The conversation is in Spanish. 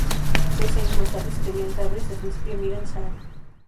Seis años más tarde servía en Tabriz al príncipe Miran Shah.